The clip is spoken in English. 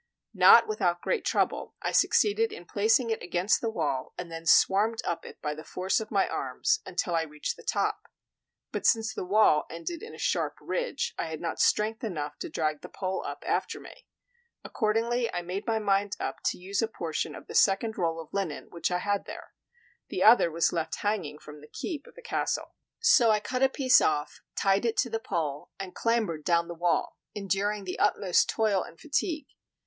Not without great trouble, I succeeded in placing it against the wall, and then swarmed up it by the force of my arms until I reached the top. But since the wall ended in a sharp ridge, I had not strength enough to drag the pole up after me. Accordingly I made my mind up to use a portion of the second roll of linen which I had there; the other was left hanging from the keep of the castle. So I cut a piece off, tied it to the pole, and clambered down the wall, enduring the utmost toil and fatigue.